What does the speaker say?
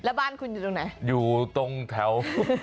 แล้วบ้านคุณอยู่ตรงไหนอยู่ตรงแถว